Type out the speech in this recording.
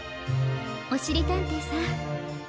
おしりたんていさん。